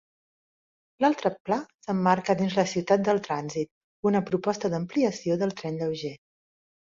L'altre pla s'emmarca dins de la ciutat del Transit, la proposta d'ampliació del tren lleuger.